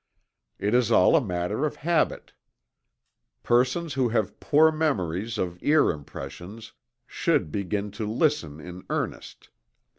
It is all a matter of habit. Persons who have poor memories of ear impressions should begin to "listen" in earnest.